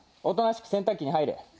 おとなしく洗濯機に入れ。